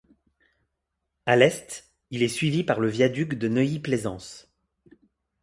À l'est, il est suivi par le viaduc de Neuilly-Plaisance.